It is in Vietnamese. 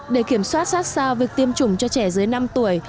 để kiểm soát sát sao việc tiêm chủng cho trẻ dưới năm tuổi